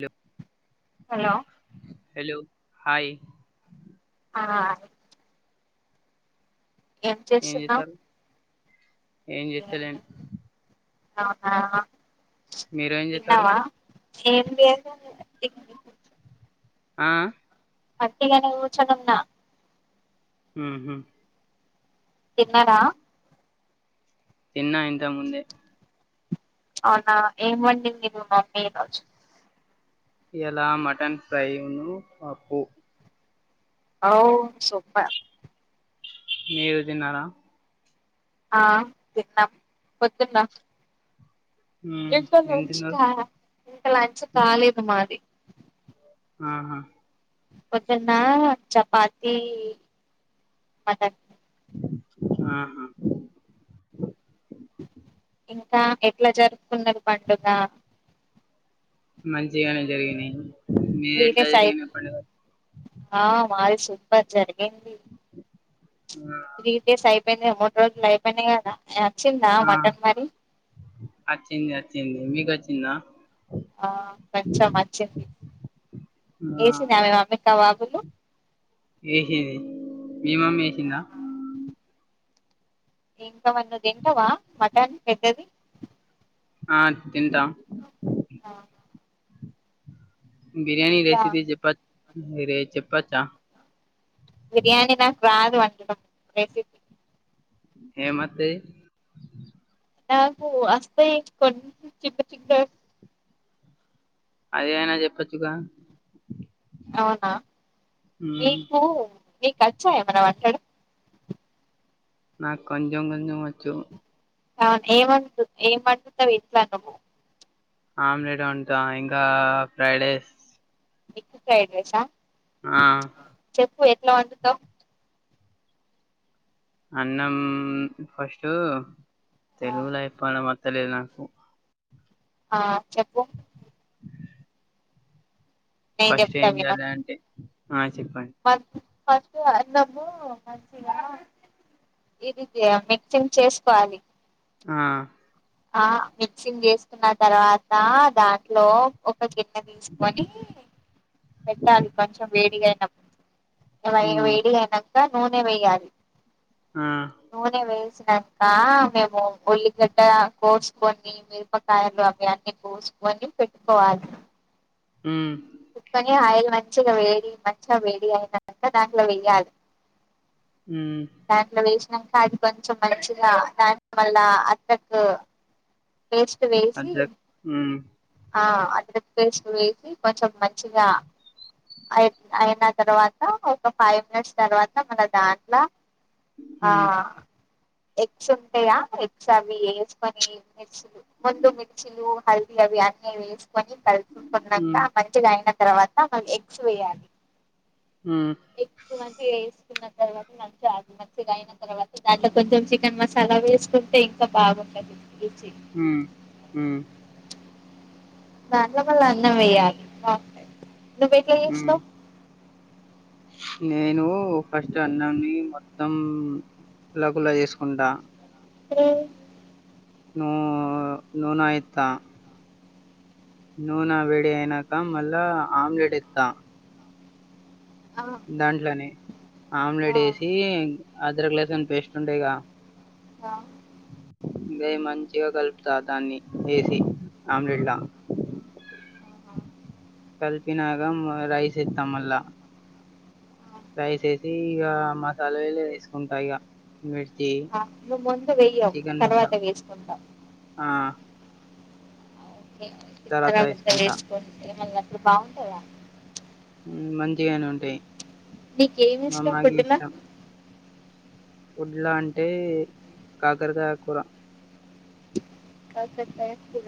చెప్ hello hello hi ఆ ఏం చేస్తున్నావు ఏం చెస్తలేని అవునా మీరు ఏం చేతారు తిన్నావా ఏం చేయను ఆ ఒటిగానే కూర్చోనున్నా ఉహుమ్ తిన్నార తిన్నా ఇంతకు ముందే అవునా ఏం వండిది మమ్మీ ఈ రోజు ఈ యాలా మటన్ ఫ్రై అను పప్పు ఔ సొప్పర్ మీరు తిన్నారా ఆ తిన్నాం పొద్దున్నే మ్మ్ ఇంకా ఏం లాంచ్ తిన్నారు కా ఇంకా లాంచ్ కాలేదు మాది హుప్ ఆహా పొద్దున్న చపాతి మటన్ ఆహా ఇంకా ఎట్లా జరుపుకున్నారు పండుగ మంచిగానే జరిగినాయి మీది త్రీ ఎట్లా డేస్ అయి జరిగిన పండుగ ఆ మాది సూపర్ జరిగి ఆ తీ డేస్ అయిపోయిందిగా అమ్మో రోజులైపోనేగాదనే వచ్చిందా ఆ. మటన్ మరి మీకచ్చిందా ఆ కొంచెం మచ్చింది ఆ వసింది ఆమె మమ్మి కబాబులు ఏసింది మీ మమ్మీ ఏసిందా ఆహా ఇంకావన్నది ఇంటవా మటన్ పెద్దది తింటా ఆ బిర్యానీ రెసిపీ చెప్ప రే చెప్పచ్చా బిరియాని నకు రాదు వండడం రెసిపి హే మా తె నాకు అస్తాయి కొ చి చిగడ అది అయినా చెప్పచ్చుగా అవునా నీకు నీకుచ్చాఎమనా వంటడం నా కొంచం కొంచం వచ్చు అవును ఏమ ఏమంటతా వట్లాను ఆమ్లెట్ ఉంటా ఇంకా ఫ్రైడ్ రైస్ ఎగ్ ఫైడ్రైసా ఆ ఎట్లా వందుతో అన్నం ఫస్ట్ తెలుగు ల ఎప్పనా మ తెలి నాకు ఆ చెప్పు ఫస్ట్ ఏం చేయాలి అంటే ఆ చెప్పండి మ ఫస్ట్ అన్నము మంచిగా ఇదిది మిక్సింగ్ చేసుకోవాలి ఆ ఆ మిక్సింగ్ చేసుకున్న తర్వాత దాంట్లో ఒక గిన్నె తీసుకొని పెట్టాలి కొంచెం వేడిగా అయినప్పుడు వై మ్మ్ వేడిగయినంక నూనే వెయ్యాలి ఆ నూనే వేసి కకా మేము ఉల్లిగడ్డ కోసుకొని మిరపకాయలు అవి అన్నీ కోసుకొని పెట్టుకోవాలి ఉమ్ ముక్కని ఆయిల్ మంచిగా వేడి మంచిగా వేడి అయినంక దాంట్లో వేయ్యాలి మ్మ్ దాంట్లో వేసి ఇకా అది కొంచెం మంచిగా దాని వళ్ళ అత్తకు టేస్ట్ వేసి అద్రక్ మ్మ్ ఆ అల్లమ్ పేస్ట్ వేసి కొంచెం మంచిగా అయి అయిన తర్వాత ఒక ఫైవ్ మినిట్స్ తర్వాత మన దాంట్లో ఆ మ్మ్ ఎగ్స్ ఉంటాయా ఎగ్స్ అవి వేసుకని మిర్చిలు ముందు మిర్చిలు హల్దీ అవి అన్నీ వేసు ని మ్మ్ కలుసుకుంటున్నాక మంచిగా ఆన తర్వాత మ గ్స్ వెయ్యాలి మ్మ్ ఎగ్స్ మాంచిగ ఏసి న్న తర్వాత మంచిగా మంచిగాయిన తర్వాత దాంట్లో కొంచెం చికెన్ మసాలా వేసుకుంటే ఇంకా బాగుంటది రుచి ఉమ్ ఉమ్ దాంట్ల మల్ల అన్నం వెయ్యాలి నువెట్ల మ్మ్ చేస్న్నావ్ నేను ఫస్ట్ అన్నాన్ని మొత్తం కుల్లా కుల్లా చేసుకుంటా అఓ నూ నూన ఏత్త నూనె వెేడి అయినాక మళ్ళా ఆమ్లేట్ ఏత్త ఆ ఆ దాంట్లోనే ఆమ్లెట్ ఏసి అదరక లసన్ పేస్ట్ ఉంటాయిగా ఆ ఇంగా మంచిగా కలుపుతా దాన్ని వేసి ఆమ్లెట్లా కలిపినాక రైస్ ఏస్తా మళ్ళా రైస్ ఏసి ఇగమసాలాలేసుకుంటా ఇగ ఆ నువ్ ముందు వే్యవ్ చికెన్ తర్వాత మసాలా వేసుకుంటావ్ ఆ తర్వాత చిత్తనంత వేసుకుంటా వేసుకోని ఏమ అట్లు బాగుంటుందా మంచిగానే ఉంటాయి నీకు ఏమి ఇష్టం ఫుడ్ ల ఫుడ్లా అంటే కాకరకాయ కూూర కాకరకాయ్ కూర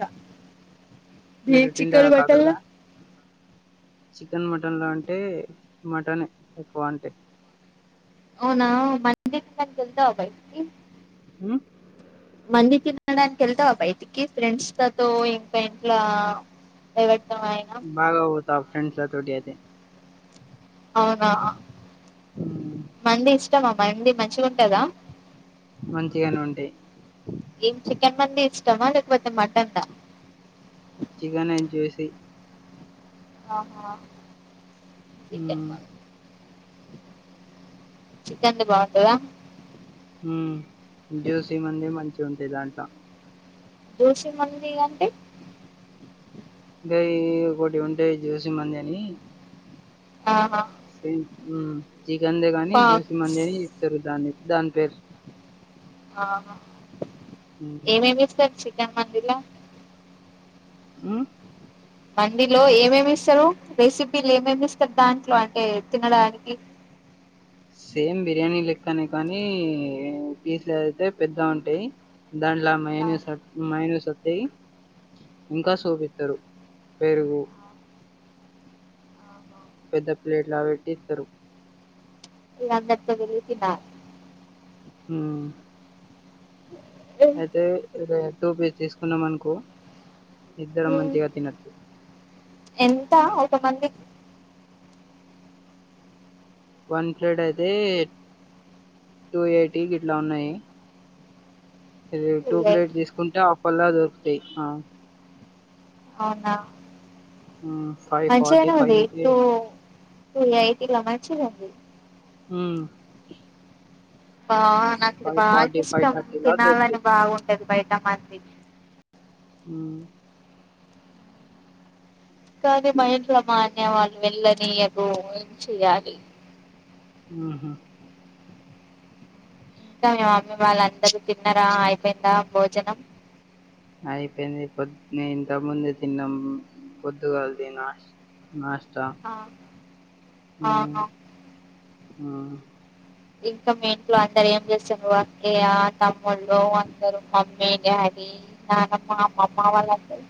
మీరు చికన్ తింటారా కాకరకాయ మాటన్లో చికెన్ మటన్ లో అంటే మటన్ ఎక్కువ అంటే అవునా మంది జల్దా అబయి ఉమ్ మంది తినన్ కెల్తవ బయితికి ఫ్రెండ్స్ తతో ఇంకా ఇంట్లా ఎ బాగ బోత ఫ్రెండ్సల తోటి అయితే అవునా ఉమ్ మంది ఇష్టమా మంది మంచిగా ఉంటదా మంచిగానే ఉంటాయి ఏం చికెన్ మంది టమాటక్ మొత్తం మటన్ దా చికన్ అండ్ జూసీ. ఆహా చికెన్ ఉమ్ మటన్ చికెన్ ది బాగుంటందా. ఉమ్ జ్యోసి మంది మంచిగ ఉంటయి దాంట్లా. జూసి మందిగ అంటే. అది ఒకటి ఉంటాయి చూసి మండి అని. ఆహా ఉమ్ చికన్ దే కాని పా జూసి మండి అని ఇస్తారు దాన్ని. దాని పేరు. ఆహా ఉమ్ ఏమి ఏమి తీసుకొచ్చిండ్రు. ఏం మందిర్ ల ఉమ్ మండిలో ఏమేమి ఇస్తారు రెసిపీలు ఏమేమి ఇస్తారు. దాంట్లో అంటే తినడానికి సేమ్ బిర్యానీ లెక్కనే కానీ పీస్లుదైతే పెద్దగ ఉంటాయి. దాండ్లా ఆ మైనసాత్ మైనసత్ ఇంకా సూప్ ఇస్తారు పెరుగు పెద్ద ప్లేట్లా పెట్టి ఇత్తర్. ఇంకా అందరితో తిరిగి తినాలి. ఉమ్ అదే అదే టూ పీస్ తీసుకున్నాం అనుకో. ఇద్దరు ఉమ్, మంచిగా తినోచ్చు. ఎంత ఒక మండి. వన్ ప్లేట్ అయితే టూ ఎయిటీ ఇట్లా ఉన్నాయి. ఇది టూ ప్లేట్స్ తీసుకుంటే ఆఫ్. పల్ల దొరుకుతాయి ఆహ్. అవునా ఉమ్ ఫైవ్ ఫార్టీ మంచిగానే ఫైవ్ ఉంది టూ టూ యాయిటిల మంచిగా ఉంది ఉమ్ ఆహ్ నాకు ఇది ఫైవ్ బాగా ఫార్టీ ఫైవ్ ఇష్టం థర్టీ లా తినాలని దొరుకుతాయి బాగుంటది బయట మది. ఉమ్ కాదే మా ఇంట్లా మ అది వెళ్ళనియదు ఏం చెయ్యాలి. ఉహూ ఇంకా మీ మమ్మీ వాళ్ళు అందరూ తిన్నరా అయిపోయిందా భోజనం. అయిపోయింది పొద్దున్నే ఇంతముందు తిన్నాం పొద్దుగాలది నా నాష్టా ఆ ఉమ్ ఆహా ఆ ఇంకా మీ ఇంట్లో అందరు ఏం చేస్తూరృ అక్కయ తమ్ముళ్ళు అందరు మమ్మీ డాడీ నానమ్మ అమ్మమ్మ వాళ్ళందరు.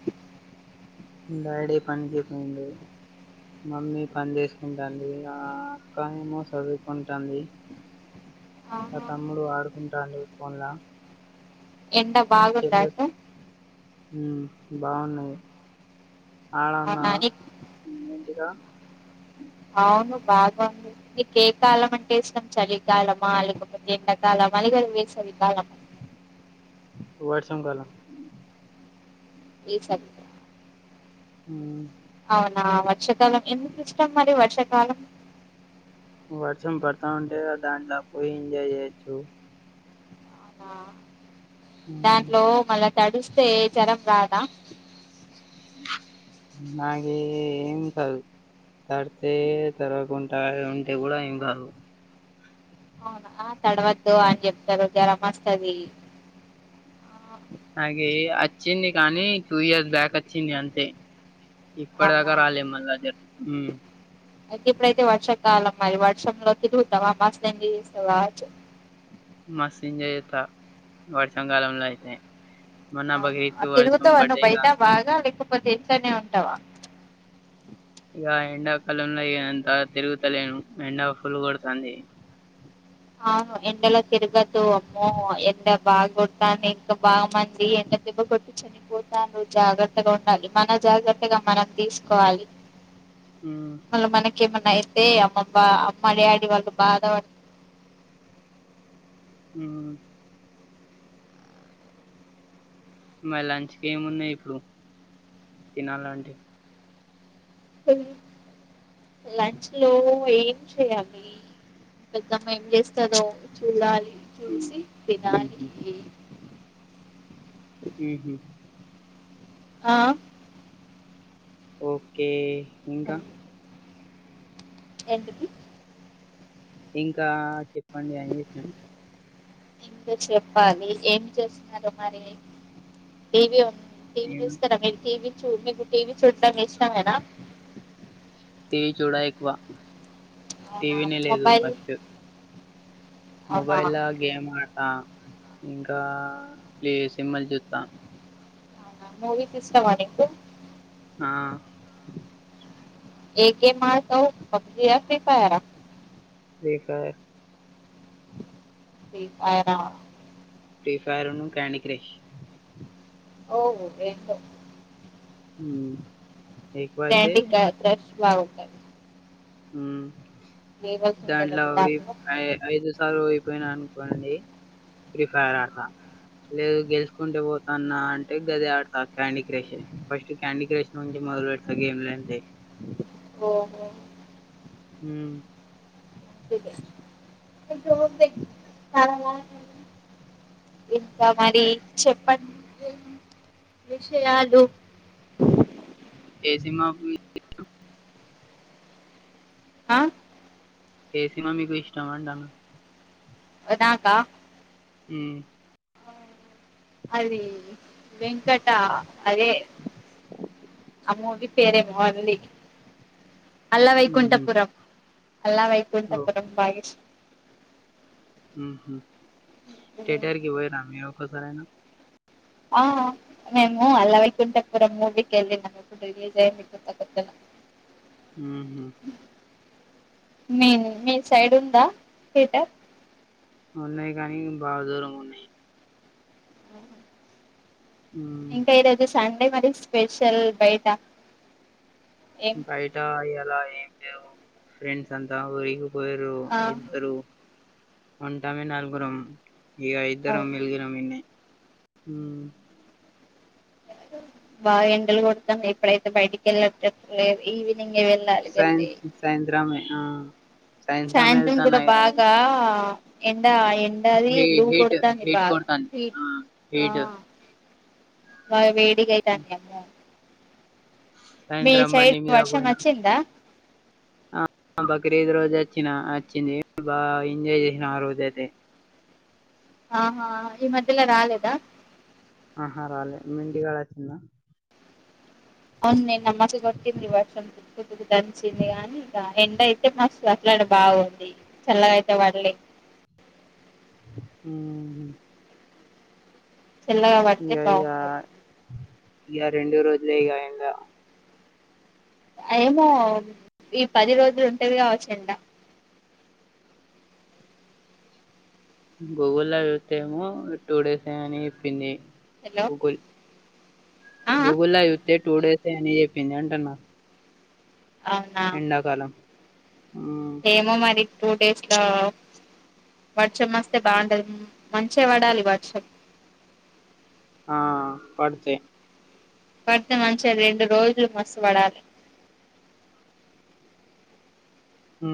డాడీ పనికిపోయింది మమ్మీ పని చేసుకుంటాంది. ఆ అక్క ఏమో చదువుకుంటంది ఆ ఆహా తమ్ముడు ఆడుకుంటండు పోన్లా ఎండ బాగుందా [unintelligible] అటు ఉ బాగున్నాయి అవునా నీకు ఆడనున్నద [unintelligible] అవును బాగుంది నీకు ఏ కాలం అంటే ఇస్టం చలికాలమా లేకపోతే ఎండాకాలమా అదిగనీ వేసవి కాలమా వర్షం కాలం ఈ [unintelligible] హ అవునా వర్షాకాలం ఎందుకు ఇష్టం మరి వర్షాకాలం వర్షం పడత ఉంటే దాంట్ల పోయి ఎంజాయ్ చేయొచ్చు ఆ ఉమ్ దాంట్లో మళ్ళా తడుస్తే జ్వరం రాదా నాగే ఏం కాదు తడితే తడ్వావకుంట ఉంటే కూడా ఏం కాదు అవునా ఆ తడవద్దు అని చెప్తారు జ్వరం వస్తది ఆ నాగి ఆచ్చింది కానీ టూ ఇయర్స్ బ్యాక్ ఆచ్చింది అంతే ఇప్పటి అవునా దాకా రాలే మళ్ళా జ్వా హూ అయితే ఇప్పుడైతే వర్షా కాలం మరి వర్షంలో తిరుగుతావా మస్త్ ఎంజాయ్ చేస్తావ్ కావచ్చు మస్తు ఎంజాయ్ చేత్త వర్షాకాలంలో అయితే మొన్న బక్రీద్ ఆ కి వర్షం తిరుగుతవ పడ్డాయి ఇగ బయట బాగా అ లే ఇంట్లనే ఉంటవా ఇగా ఎండాకాలంలో అంత తిరుగుతలేను ఎండ ఫుల్లు కొడతంది. అవును ఎండలో తిరగద్దు అమ్మో ఎండ బాగ కొడతంది ఇంకా బాగ మంది ఎండ దేబ్బ కొట్టి చనిపోతారృ జాగ్రత్తగా ఉండాలి మన జాగ్రత్తగా మనం తీసుకోవాలి. ఉమ్ మల్ల మనకి ఏమ్ అయితే అమ్మమ్మ అమ్మ డాడీ వాళ్ళు బాధ పడ్ హ్ మరి లంచ్ కి ఏమున్నాయి ఇప్పుడు తినాలంటే లంచ్ లో ఏం చేయాలి పెద్దమ్మ ఏం చేస్తదో చూడాలి చూసి తినాలి హ్ హ్ ఆ ఓకే ఇంకా ఎంటిది ఇంకా చెప్పండి అని చెప్పిన ఇంక చెప్పాలి? ఏం చేస్తున్నారు మరి? టీ వి ఉన్ టీ వి చూస్తరా మీరు టీ వి? చూ మీకు టీ వి చూడ్డం ఇష్టమేనా? టీ వి చూడ ఎక్కువ. అవునా టీవీనే మొబైల్? అవునా మొబైల్ ల గేమ్ ఆడతా. ఇంకా ప్లే సిన్మల్ జూత్తా. మూవీస్ ఇష్టమ నీకు? ఆ ఏ గేమ్ ఆడతవ్? పబ్జీ ఆ? ఫ్రీ ఫయర? Free fire. ఫ్రీ ఫయరా. ఫ్రీ ఫయర్ ఉను క్యాండి క్రెష్. ఓ రెండు ఉమ్ క్యాండీ క క్రష్. బావుంటది. ఉమ్ ఉంటాయి దాంట్ల కదా దాంట్లో [unintelligible] ఐదు స్ సారి ఓడిపోయినా అనుకోండి ఫ్రీ ఫైర్ ఆడతా లేదు గెలుచుకుంటే పోతాన్నా అంటే గదే ఆడతా candy crush. First candy crush నుంచి మొదలు పెడత గేమ్లంటే. ఓ హో ఉమ్ [inaudible] ఇంకా మరి, చెప్పండి? విషయాలు. ఏ సిన్మాకు బో ఆ ఏ సినిమా మీకు ఇష్టం అంటాన? అదాకా ఉమ్ అది వెంకట అదే, ఆ మూవి పేరేమో ఉంది. అలా ఉమ్హు, వైకుంఠపురం. అలా వైకుంఠపురం బాగ ఇష్ ఉ హు, థియేటర్ కి పోయిర్రా మీరు? ఓసారైనా? ఆ, మేము అలా వైకుంఠపురం మూవీకెల్లినం, రిలిజ్ అయినా కొత్త కొత్త లో. ఉ హు మేము మీ సైడ్ ఉందా థిటర్? ఉన్నాయి గనీ బాగ దూరం ఉన్నాయి. ఆ ఉమ్, ఇంకా ఇరోజు సండే మరి స్పెషల్ బయట ఏం బయట ఎలా ఫ్రెండ్స్ అంతాఊరికి పోయరు ఆ ఇద్దరు ఉంటమే నలుగురం ఇగ ఇద్దరం అవును మెల్గినం ఈడనె హమ్ బాగా ఎండలు కొడతానయ్ ఇప్పుడైతే బయటికి వెళ్ళ [unintelligible] చ్చలే ఈ వి ఇంగ వెళ్ళాలి సాయం వెళ్తే సాయంత్రమే ఆ సాయంత్రం కూడా వెళ్తాన్న ఇగ బాగా ఎండ ఎ ఉండది హే లూ హీట్ కొడతా హీట్ బాగా కొడతాంది ఆ ఆ హీట్ అ వేడి వేడి గయితామ్ది కదా మీ సాయంత్రం సైడ్ బండి మీద వర్షం పోయినా వచ్చిందా ఆ బక్రిదు రోజు వచ్చినా వచ్చింది బాగా ఎంజాయ్ చేసినా ఆ రోజ్ అయితే ఆహా ఈ మధ్యల రాలేదా ఆహ రాాలే మీ ఇంటికాడచ్చిందా అవును నిన్న మస్త్ కొట్టింది వర్షం తక్కు తుక్కు దంచింది గాని ఇక ఎండ అయితే మస్తు అట్లాడ బాగుంది చల్లగా అయితే పడలే హుమ్ చల్లగా పడితే బాగుండు ఇక రెండు రోజులే కా ఇంకా ఏమో ఈ పది రోజులు ఉంటది కావచ్చు ఎండ గూగుల్ లో చూస్తే ఏమో టూ డేస్ అని చెప్పింది హలో గూగుల్ ఆ ఆ గూగుల్ల చూత్తే టూ డేస్ అని చెప్పింది అంటన్న అవునా ఎండాకాలం మ్మ్ ఏమో మరి టూ డేస్ లో వర్షం వస్తే బాగుంటది మంచిగ పడాలి వర్షం ఆ పడితే పడితే మంచిగ రెండు రోజులు మస్తు పడాలి హ